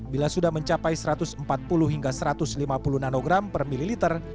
bila sudah mencapai satu ratus empat puluh hingga satu ratus lima puluh nanogram per mililiter